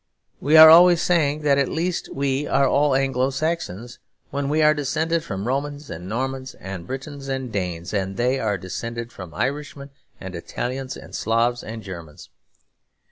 We are always saying that at least we are all Anglo Saxons, when we are descended from Romans and Normans and Britons and Danes, and they are descended from Irishmen and Italians and Slavs and Germans.